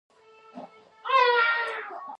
د افغانستان طبیعت له هوا څخه جوړ شوی دی.